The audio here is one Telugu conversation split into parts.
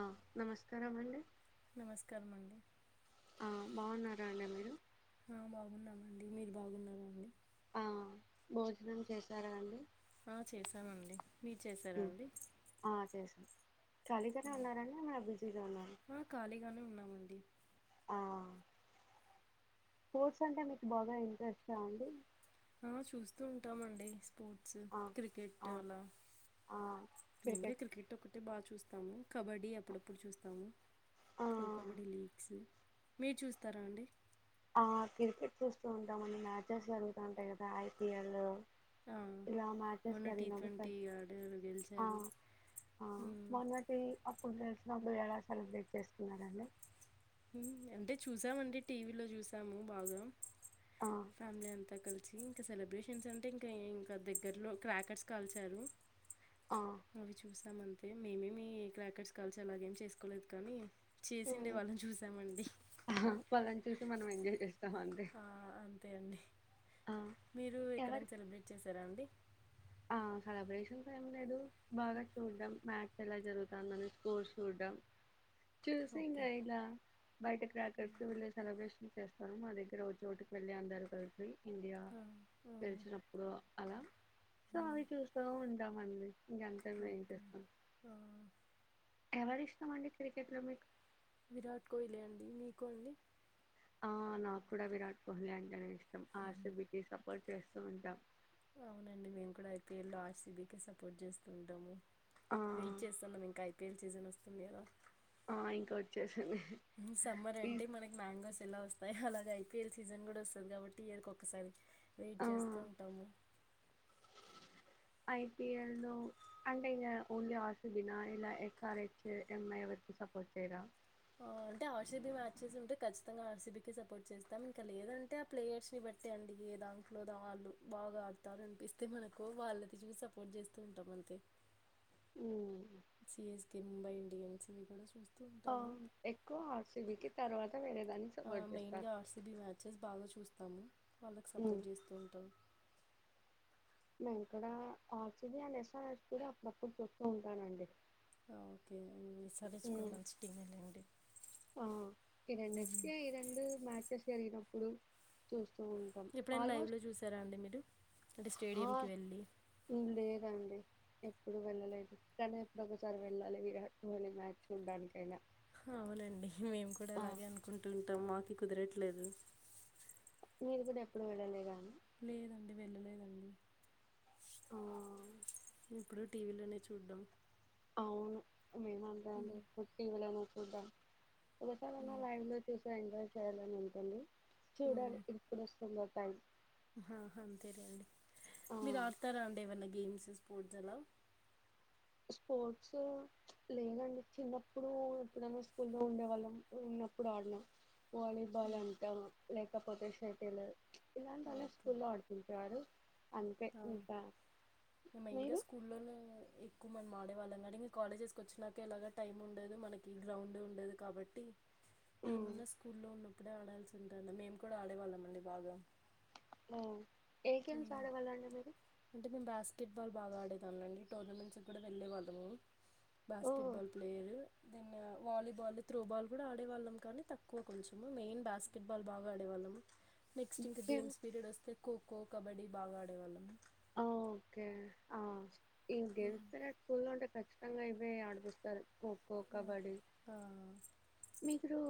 ఆ నమస్కారం అండి. నమస్కారమండి. ఆ బాగున్నారా అండి మీరు? ఆ బాగున్నామండి, మీరు బాగున్నరా అండి? ఆ భోజనం చేసారా అండి? ఆ చేసానండి, మీరు చేసార ఉమ్, అండి? ఆ చేసాం ఖాళీగానే ఉన్నారండి ఏమన్నా బిజీగా ఉన్నారా ఆ ఖాళీగానే ఉన్నా. మండి ఆ స్పోర్ట్స్ అంటే మీకు బాగా ఇంట్రెస్ట అండి అ చూస్తూ ఉంటామండి పొట్సు ఆ క్రికెట్ ఆ అలా ఆ డైలీ క్రికెట్ ఒకటే బాగా చూస్ తము కబడ్డీ అప్పుడప్పుడు చూస్తాము ఆ ప్రో కబడ్డీ లీగ్స్ మీరు చూస్తారా అండి ఆ క్రికెట్ చూస్తూ ఉంటామండి మ్యాచెస్ జరుగుతా ఉంటాయి కదా ఐపిఎల్ ఆ, ఇలా మొన్న మ్యాచెస్కి టీ ఆడిగినపుడు ట్వంటీ ఆడారు అ గెలిచారు ఆ ఉమ్, మొన్నటి మీక్ తెసినబ్బాయి ఏడసలు బ్రేట్ [unintelligible] చేస్తున్నడండి ఉ అంటే చూసామండి టీవీలో చూసాము బాగా ఆ ఫ్యామిలీ అంత కలిసి ఇంకా సెలబ్రేషన్స్ అంటే ఇంకా ఇంకా దగ్గరలో క్రాకర్స్ కాల్చారు ఆ అవి చూసామం తే మేమేమి క్రాకర్స్ కాల్చి అలాగేం చేసుకోలేదు కానీ చేసిండే వాళ్ళని చూసి ఆహ్ వాళ్ళని చూసి మన వెంగడేస్ ఆ అంతే అండి ఆ మీరు ఎవరు ఎక్కడైనా సెలబ్రేట్ చేశారా అండి ఆ సెలబ్రేషన్స్ ఏం లేదు బాగా చూడడం మ్యాచ్ ఎలా జరుగుతందని రోజు చూడడం చూసి ఓకే ఇంగా ఇలా బయట క్రాకర్స్ వీళ్ల సెలబ్రేషన్ చేస్తాను మా దగ్గర ఒక చోటుకి వెళ్ళి అందరూ కలిసి ఇందియా ఆ, ఆ, పెల్చినప్పుడ అలా సో ఉమ్, అవి చూస్తూ ఉంటామండి ఇంకంతె మేం ఓకే చేస్తాం ఆ, ఎవరు ఇష్టమండి క్రికెట్ లో మీకు విరాట్ కోహ్లీ అండి మీకు అండి ఆ నాకు కూడా విరాట్ కోహ్లీ అంటేనే ఇష్ టం ఆర్ సి బి కీ సపోర్ట్ చేస్ నువుంటావ్ అవునండి మేము కూడా I P L R C B కె సపోర్ట్ చేస్తూ ఉంటాము ఆ వెయిట్ చేస్తా మనింకాయ్ గేల్ చేసన వస్తుంది ఇయాల ఆ ఇంక వచ్చేసింది ఉ సమ్మర్ అంటే మనకి మ్యాంగోస్ ఎలా వస్ అ అలగ ఐపీఎల్ సీజన్ కూడా వస్తది కాబట్టి ఇయర్ కి ఒక్కసారి వెయిట్ ఆ చేస్తూ ఉంటాము ఐపీఎల్ లో అంటే ఓన్లీ ఇగా ఆర్ సి బి న ఎస్ఆర్ హెచ్ ఎంఐ ఎవరికి సపోర్ట్ చేయర అంటే ఆర్సీబీ మ్యాచెస్ ఉంటే ఖచ్చితంగా ఆర్సీబీకి సపోర్ట్ చేస్తాం ఇంకా లేదంటే ఆ ప్లేయర్స్ని బట్టి అండి ఏ దాంట్లో ద వాళ్ళు బాగా ఆడతారు అనిపిస్తే మనకు వాళ్ళ తీసి సపోర్ట్ చేస్తూ ఉంటాం అంతే హ్మ్ సిఎస్కే ముంబై ఇండియన్స్ ఇవి కూడా చూస్ ఆ ఎక్కువ ఆర్ సి బి కి తర్వాత వేరే దాన్ని ఆ సపోర్ట్ మెయిన్ చేస్తారు గా ఆర్సిబి మ్యాచెస్ బాగా చూస్ తము వాళ్ళకి ఉమ్ సపోర్ట్ చేస్తూ ఉంటాం మేం కూడా ఆర్సీబీ అండ్ యస్ఆర్ హెచ్ కూడా అప్పుడప్పుడు చూస్తూ ఉంటానండి ఓకే యస్ ఆర్ హెచ్ కూడా ఉమ్ మంచి టీమేలేండి ఆ ఈ రెండింటికి రెండు మేచెస్ జరిగినప్పుడు చూస్త ఎప్పుడైనా లైవ్లో చూసారా అండి మీరు అంటే ఆ స్టేడియంకి వెళ్ళి లేదండి ఎప్పుడు వెళ్ళలేదు కానీ ఎప్పుడొ ఒకసారి వెళ్ళాలి విరాట్ కోహ్లీ మ్యాచ్ చూడ్డానికి ఐనా అవునండి మేము కూడా అలాగే అనుకుంటు కొత్తమ్ మాకి కుదరట్లేదు మీరు కూడా ఎప్పుడు వెళ్ళలే గానీ లేదండి వెళ్ళలేదండి ఆ ఎప్పుడూ టీవీలోనే చూడ్డం అవును ఉమ్, [unintelligible] కుద ఓకసారన్న ఉమ్, లైవ్ లో చూసి ఎంజాయ్ చె సాలరీ ఎంతండి చూడ్డానికి ఎప్పుడువస్తుందో త్యాంక్ ఆ మీరుఆడుతారా అండి ఏమన్నా గేమ్ [inaudible] స్పోర్ట్స్ లేనండి చిన్నప్పుడు ఎప్పుడైనా స్కూల్ లో ఉండేవాళ్ళం ఉన్నప్పుడు ఆడలేం వాలీబాల్ ఉమ్, అంటా లేకపోతే షటిల్ [unintelligible] ఓకే స్కూల్లో ఆడుతుంటారు అంతే ఇంకా ఆ మెయిన్గా మీరు స్కూల్లోనే ఎక్కువ మనం ఆడేవాళ్ళం కానీ ఇంకా కాలేజెస్కి వచ్చినాకేలాగ టైం ఉండదు మనకి గ్రౌండ్ ఉండదు కాబట్టి, ఉమ్, ఏమున్నా స్కూ లో ఉన్నప్పు అప్పుడే ఆడాల్సి ఉంటు మేము కూడా ఆడేవాళ్ళం అండి బాగా నా ఏ గేమ్స్ ఉమ్. ఆడేవాళ్ళండి మీరు అంటే మేము బాస్కెట్ బాల్ బాగా ఆడేదాం అండి టోర్నమెంట్స్ కూడా వెళ్ళే వాళ్ళము ఓ basketball player then volleyball throwball కూడా ఆడే వాళ్ళం కానీ తక్కువ కొంచెము మెయిన్ బాస్కెట్ బాల్ బాగా ఆడేవాళ్ళం, నెక్స్ట్ ఇంకా గేమ్స్ పీరియడ్ వస్తే కు ఖో కబడ్డీ బాగా ఆడేవాళ్ళం అ ఓకే ఆ ఉమ్. [unintelligible] ఖచ్చితంగా అయితే ఆడిపిస్తారు, ఖోఖో కబడ్డీ ఆ, ఆ, మీకురు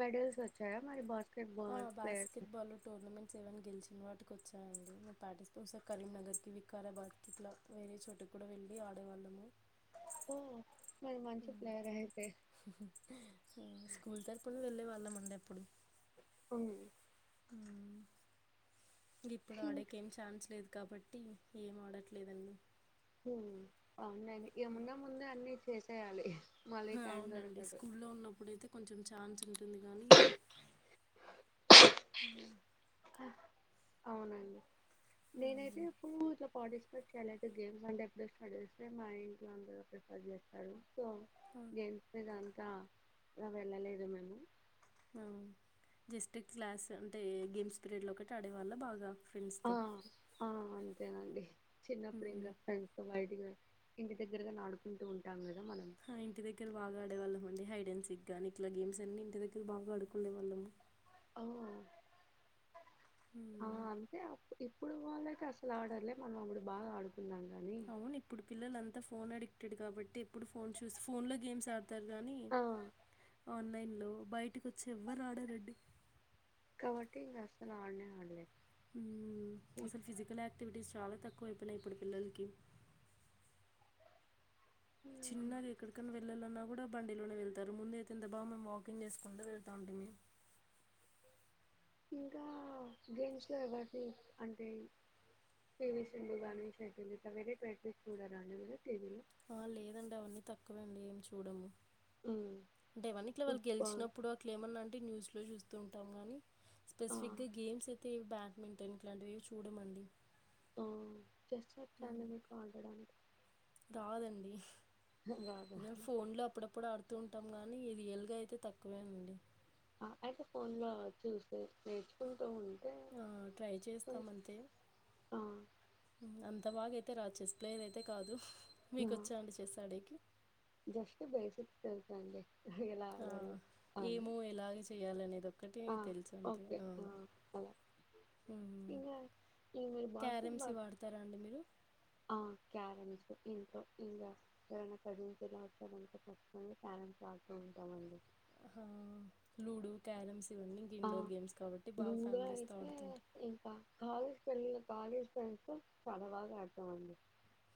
మెడల్స్ వచ్చాయా మరి బస్ బాస్కెట్ బాల్ టూర్నమెంట్స్ అవని గెలి అన్నివాటికి వచ్చానండి మేము పాటిస్త ఒకసారి కరీంనగర్కి, వికారాబాద్కి ఇట్లా వేరే చోటుకి కూడా వెళ్ళి ఆడేవాళ్ళము, ఓ స్కూల్ తర్పున వెళ్ళే వా ఆడినం అండీ అప్పుడు ఉ ఇం ఇప్పుడు ఇంక్ ఆడకి ఏం ఛాన్స్ లేదు కాబట్టి ఏం ఆడట్లేదండి, హు అవునండీ ఏమున్నా ముందే అన్ని చేసేయాలి మళ్ళీ టైం అవునండి దొరకదు. స్కూల్లో ఉన్నప్పుడుయితే కొంచెం ఛాన్స్ ఉంటుంది. ఉ అవునండి నేనైతే ఉమ్, ఇప్పుడు ఇట్లా పాటిస్ చాల అయితే గేమ్స్ అంటే ఎప్పుడో స్టార్ట్ చేస్తే మా ఇంట్లో అందరు ప్రిఫర్ చేస్తారు. సో ఆ, గేమ్స్ దాని ఇంకా వెళ్ళలేదు మేము ఆ జస్ట్ క్లాస్ అంటే గేమ్స్ పిరియడ్ లో ఒకటి ఆడేవాళ్ళ బాగా ఫ్రెండ్స్ ఆ తో ఆ [inaudible] చిన్నప్పుడు వెళ్ళం ఫ్రెండ్స్ తొ బయటకు వె ఇంటి దగ్గరగా ఆడుకుంటూ ఉంటాం. కదా మనం ఆ ఇంటి దగ్గర బాగా ఆడేవాళ్ళం. అ హైడ్ అండ్ సిక్గాని, ఇట్లా గేమ్స్ అన్ని ఇంటి దగ్గర బాగా ఆడుకుండే వాళ్ళము. అ ఆ మ్మ్. అంతే అప్పు ఇప్పుడు వాళ్ళు అయితే అసలు ఆడర్లే మనం అప్పుడు బాగా ఆడు అవును ఇప్పుడు పిల్లలంతా ఫోన్ అడి కిడ్ కాబట్టి ఇప్పుడు ఫోన్ చూసి ఫోన్లో గేమ్స్ ఆ తార గానీ ఆ ఆన్లైన్లో బయటకి వచ్చి ఎవ్వరు ఆడరండి. కాబట్టి ఇగ అసలు ఆడనే ఆడలే. ఉమ్ అసలు ఫిజికల్ యాక్టివిటీస్ చాలా తక్కువైపోయినాయి ఇప్పుడు పిల్లలకి. చిన్నది ఎక్కడికన్నా వెళ్ళాలన్నా కూడా బండిలోనే వెళ్తారు. ముందు అయితే ఎంత బాగా మేము వాకింగ్ చేసుకుంటూ వెళ్తా ఉంటిమి. ఇంకా గమ్స్ లో ఎవరిది అంటే పివి సింధు గాని, శతిలిత వేరే ట్వంటీస్ చూడార అండి టీవీలో. ఆ లేదండి అవన్నీ తక్కువ అండి ఏమి చూడము. ఉమ్, అంటే వన్న ఇట్లా వాళ్ళు ఫుట్బాల్ గెలిచినప్పుడు అట్లే ఏమన్నా అంటే న్యూస్ లో చూస్తూ ఉంటాం గానీ ఆ స్పెసిఫిక్గా గేమ్స్ ఎత్ ఇ బ్యాడ్మింటన్ ఇట్లాంటివి చూడమండి. అ చేస్టుమెట్ అండి మీకు అడడానికి కాదండి. రాదా మీరు ఫోన్లో అపుడప్పుడు ఆడు ఉంటాం గానీ ఇది ఎలుగు అయితే తక్కువేనండి. అయితే ఫోన్ లో చూసే నేర్చుకొ ట్రై చేస్తాం అంతే ఆ ఉమ్, అంత బగ అయితే రాదు, చెస్ ప్లేయర్ అయితే కాదు. మీకొచ్చాండి చెస్ అడేకి జస్ట్ బేసిక్ తెలుసు అండి. ఆ ఏమో ఎలాగ చేయాలనేది ఒకటి ఆ ఇవి తెలుసు అంతే ఓకే అ ఆ అలా ఉమ్ ఇంగా ఇంగ మీరు బాస్కెట్ క్యారమ్స్ బాల్ ఇవి ఆడుతారా అండి మీరు. ఆ క్యారమ్స్ ఇంట్లో ఇంకా ఎరైనా వత్తారు చూడు అవసరం వుంటే కొంతమంది క్యారెమ్స్ ఆడుతూ ఉంటామండి. ఆ లూడు, క్యారమ్స్ ఇవన్నీ ఇంక ఆ ఇండోర్ గేమ్స్ కాబట్టి బాగా లూడో ఫ్యామిలీస్తో అయితే ఆడుతుంటాం ఇంకా కావు హ్మ్మ్ కాలేజ్ ఫైండ్స్ చాలా బాగా ఆడుతాం అండి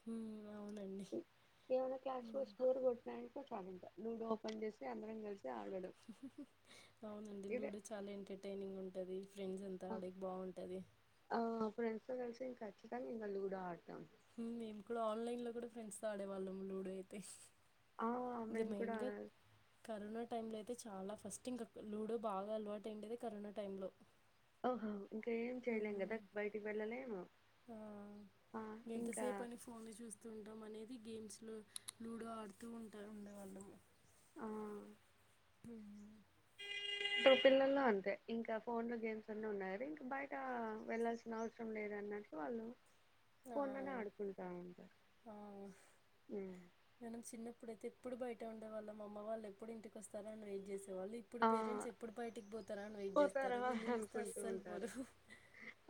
హ్మ్మ్ ఏవనా క్లాస్ రోజ్ బోరుకొట్టినాయ్ ఫామ్ ఇంకా లూడో ఓపెన్ చేసి అందరం కలిసి ఆడడం అవునండి ఇదే లూడో చాలా ఎంటర్టైనింగ్ టది ఫ్రెండ్స్ అంతా ఆ ఆడికి బాగుంటది డ్స్ కలిసి కచ్చితంగా ఇంకా లూడో ఆడతాం మేము కూడా ఆన్లైన్ లో కూడా ఫ్రెండ్స్ తో ఆడేవాళ్ళము లూడో అయితే ఆ మేము కూడా అలాగే టైమ్ లో అయితే చాలా ఫస్ట్ ఇంకా లూడో బాగా అలవాటు ఏండేది కరోనా టైం లో ఓహో ఇంకా ఏం చేయలేం కదా బయటికి వెళ్ళలేము ఆ ఆ ఇంకా ఎంతసేపని ఫోన్ ని చూస్తూ ఉంటాం అనేది గేమ్స్ లో లూడో ఆడుతూ ఉంటా ఉండేవాళ్ళము ఆ ఆ ఇప్పుడు పిల్లల్లో అంతే ఇంకా ఫోన్ లో గేమ్స్ అన్ని ఉన్నారు ఇంకా బయట వెళ్లాల్సిన అవసరం లేదు అన్నట్లు వాళ్ళు. ఫోన్లనే ఆడుకుంట ఉంటారు ఆ హ్మ్మ్ ఇప్పుడైతే ఎప్పుడు బయట ఉండే వాళ్ళ మా అమ్మ వాళ్ళ ఎప్పుడు ఇంటికి వస్తారు అని వెయిట్ చేస్ వాళ్ళు ఇప్పుడు ఆ పేరెంట్స్ ఎప్పుడు బయటికి పోతారా అని వెయిట్ పోతారా చేస్తారు అని వీళ్ళు చూస్తే అనుకుంటూ అస్సలు ఉంటారు పోరు.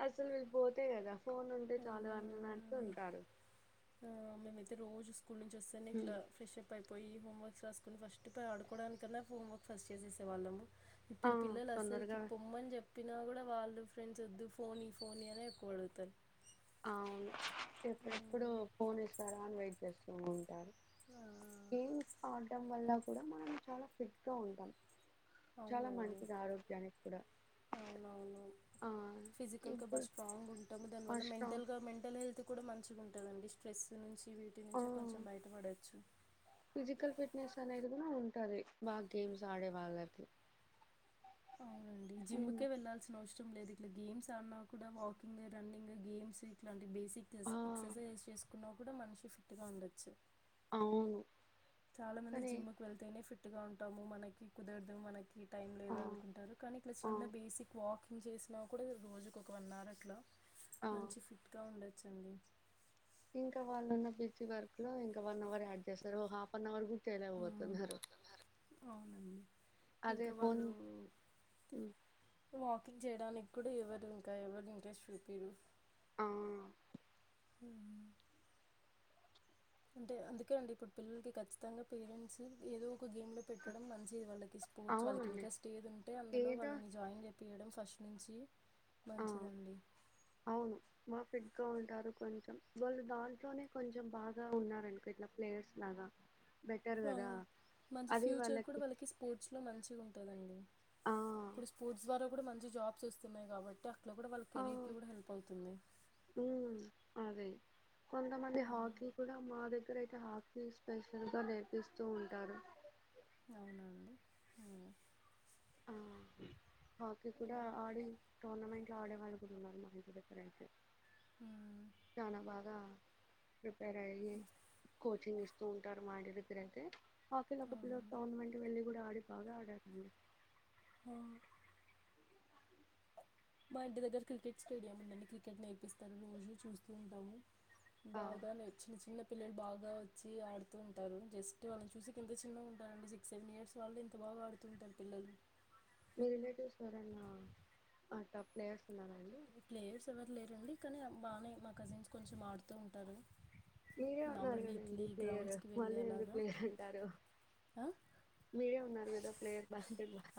అసలు వీళ్ళు పోతే కదా ఫోన్ ఉంటే ఆ చాలు అన్నదాంట్లో ఉంటారు ఆ మేమైయితే రోజు స్కూల్ నుంచి వస్తేనే ఇట్లా ఉమ్. ఫ్రెష్ అప్ అయి పోయి హోంవర్క్స్ రాసుకుని ఫస్ట్ పోయి ఆడుకోవడానికన్నా హోంవర్క్సు ఫస్ట్ చేసేసేవాళ్ళము ఆ ఇప్పుడు పిల్లలు అసలుకి తొందరగా పొమ్మని చెప్ చెప్పినా కూడా వాళ్ళు ఫ్రెండ్స్ వద్దు ఫోన్ ఈ ఫోన్ అనే ఎక్కువ అడుగుతారు అవును ఆ ఎప్పుడెప్పుడు ఫోన్ ఇస్తారా అని వెయిట్ చేస్త ఉంటారు ఆ. గేమ్ ఆడటం వల్ల కూడా మనం చాలా ఫిట్ గా ఉంటాం. చాలా అవునండి మంచిది ఆరోగ్యానికి కూడా అవునవును ఆ ఫిజికల్గా బాగా ఇప్పుడు స్ట్రాంగ్ ఉంటాము ఫస్ట్ దానివల్ల ఆ మెన్ స్ట్రాంగ్ మెంటల్ గా మెంటల్ హెల్త్ కూడా మంచిగుంటదండి స్ట్రెస్ నుంచి వీటి నుంచి కొంచెం బయటపడచ్చు ఫిజికల్ ఫిట్నెస్ అనేది కూడా ఉంటది, బాగా గేమ్స్ ఆడే వాళ్ళకి అవునండి ఉమ్, జిమ్కే వెళ్లాల్సినవస ఇష్టం లేదు ఇలా గేమ్స్ ఆడినా కూడా వాకింగ్ రన్నింగ్ గేమ్స్ ఇట్లాంటి బేసిక్ ఆస్ ఆ ఎక్సర్సైజ్ చేసుకున్నా కూడా మనిషి ఫిట్ గా ఉండొచ్చు. అవు చాలా మంది జిమ్కి వెళ్తేనే ఫిట్ ట్గా ఉంటాము మనకి కుదరదు మనకి టైం ఆ లేదు అనుకుంటారు కానీ ఇట్లా ఆ చిన్న బేసిక్ వాక్ చేసినా కూడా రోజుకి ఒక వన్ అవర్ అట్లా ఆ మంచి ఫిట్ గా ఉండ చ్చండి ఇంకా వాళ్ళున్న బీసి వర్క్ లో ఇంకా వన్ అవర్ యాడ్ చేస్తారు ఓ హాఫ్ అన్ అవర్ గూ తేనె ఆ ఓతున్నారు అవునండి అదే ఇంకా ఫోన్ వాళ్ళు ఉ కింగ్ చేయడానికి కూడా ఎవరు ఇంకా ఎవరు ఇంట్రస్ట్ చూపిరు ఆ ఊ అంటే అందుకే అండి ఇప్పుడు పిల్లలకి ఖచ్చితంగా పేరెంట్స్ ఏదో ఒక గేమ్ లో పెట్టడం మంచిది వాళ్ళకి కేస్పోవచ్చు వాళ్కి అవునండి ఇంట్రెస్ట్ ఎదుంటే అందులో ఏదో వాళ్లన్ని జాయిన్ జేప్ పీయడం ఫస్ట్ నుంచి ఆ మంచిదండి కో ఉంటారు కొంచెం వాళ్ళు దాంట్లోనే కొంచెం బాగా ఉన్నారనుకో ఇట్లా ప్లేయర్స్ లాగా బెటర్ వావ్ కదా మంచి ఫ్యూచర్ కూడా వాళ్ళకి స్పోర్ట్స్ లో మంచిగా ఉంటదండి ఆ ఇప్పుడు స్పోర్ట్స్ ద్వారా కూడా మంచి జాబ్స్ వస్తున్నాయి కాబట్టి అక్ ఇట్ల కూడా వాళ్ళ ఆ కేరీర్ కూడా హెల్ప్ అవుతుంది కొంత మంది హాకి కూడా మాదే ఇక్కడైతే హాకీ స్పెషల్ గా నేర్పిస్తూ ఉంటారు అవునా అండి ఊ ఆ హాకీ కూడా ఆడి టోర్నమెంట్ లో ఆడే వాళ్ళు కూడా ఉన్నారు మా ఇ డిఫరెంటు చానా బాగా ఉ వేరయి కో చిస్తూ ఉంటారు మా ఇంటి దగ్గర ఐతే హాకీ లో ఒక పిలోడు అవునండి టోర్నమెంట్ వెళ్లి కూడా ఆడిడ్ బాగా ఆడరండి ఆ మా ఇంటి దగ్గర క్రికెట్ స్టేడియం ఉందండి క్రికెట్ నేర్పిస్తారు రోజు చూస్తూ ఉంటాము ఆ బాగా నే చిన్న చిన్న పిల్లలు బాగా వచ్చి ఆడుతూ ఉంటారు జస్ట్ వాళ్ళని చూసే కి ఎంత చిన్నగా ఉంటారండి సిక్స్ సెవెన్ ఇయర్స్ వాళ్ళు ఇంత బాగా ఆడుతుంటారు పిల్లలు మీ రిలేటివ్స్ ఎరన్నా ఆ టాప్ ప్లేయర్స్ ఉన్నారా అండి ప్లేయర్స్ ఎవరు లేరండి కాని బానే మా కజిన్స్ కొంచెం ఆడుతూ ఉంటారు మీరే ఉన్నారు మామూలు గదండి వీక్లీ ప్లేయరు గ్రౌండ్స్కి వెళ్ళి మళ్ళీ ఎందు అలాగా ప్లేయర్ అంటారు ఆ? మీరే ఉన్నారు కదా ప్లేయర్ బాస్కెట్ బాల్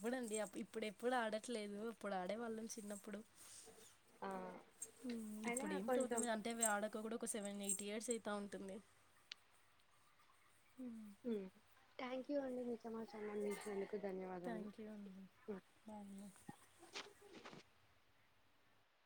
ఆప్పుడండి ఇప్పుడు ఎప్పుడు ఆడట్లేదు అప్పుడు ఆడేవాళ్ళం చిన్నప్పుడు ఆ అయినా ఇప్పుడేం కొంచెం టూర్నమెం అంటే వాడకు కూడా ఒక సెవెన్ ఎయిట్ ఇయర్స్ అయితా ఉంటుంది థ్యాంక్ యూ అండి మీ సమాచారాన్ని అందించినందుకు థ్యాంక్ ధన్యవాదములు యూ అండి బాయ్